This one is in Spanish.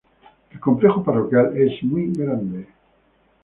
El complejo Parroquial es muy grande.